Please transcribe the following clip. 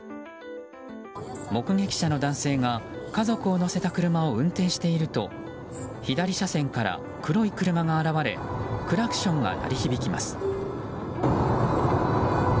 目撃者の男性が家族を乗せた車を運転していると左車線から黒い車が現れクラクションが鳴り響きます。